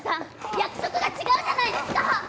約束が違うじゃないですか！